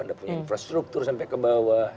ada punya infrastruktur sampai ke bawah